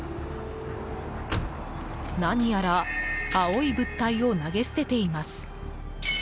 何やら青い物体を投げ捨てています。